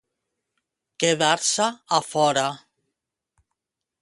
Quedar-se a fora.